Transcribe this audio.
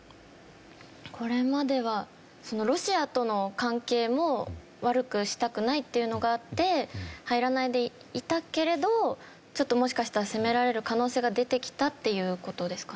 これまではロシアとの関係も悪くしたくないっていうのがあって入らないでいたけれどちょっともしかしたら攻められる可能性が出てきたっていう事ですかね？